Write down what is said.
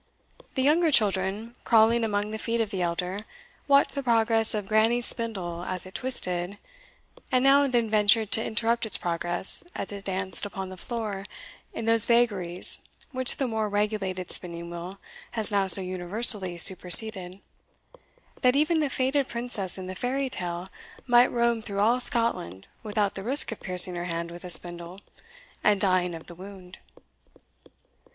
The younger children, crawling among the feet of the elder, watched the progress of grannies spindle as it twisted, and now and then ventured to interrupt its progress as it danced upon the floor in those vagaries which the more regulated spinning wheel has now so universally superseded, that even the fated Princess in the fairy tale might roam through all Scotland without the risk of piercing her hand with a spindle, and dying of the wound.